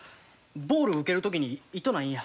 ボール受ける時に痛ないんや。